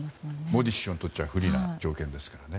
モディ首相にとっては不利な条件ですからね。